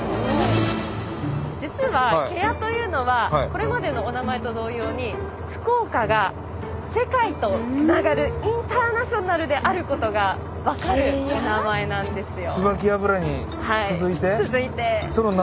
実は芥屋というのはこれまでのお名前と同様に福岡が世界とつながるインターナショナルであることが分かるお名前なんですよ。